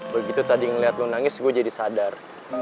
begitu tadi ngeliat lo nangis gue jadi sadar